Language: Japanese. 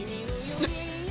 えっ。